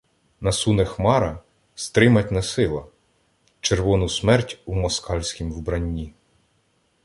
Насуне хмара, стримать не сила. Червону смерть у москальськім вбранні.